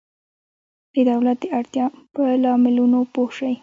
د دولت د اړتیا په لاملونو پوه شئ.